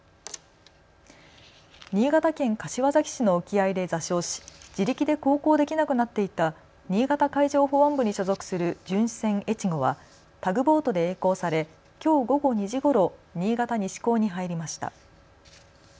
新潟県柏崎市の沖合で座礁し自力で航行できなくなっていた新潟海上保安部に所属する巡視船えちごはタグボートでえい航され、きょう午後２時ごろ新潟西港に入りました。